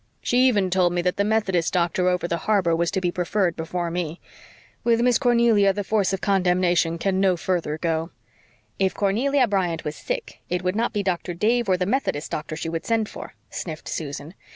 She even told me that the Methodist doctor over the harbor was to be preferred before me. With Miss Cornelia the force of condemnation can no further go." "If Cornelia Bryant was sick, it would not be Doctor Dave or the Methodist doctor she would send for," sniffed Susan.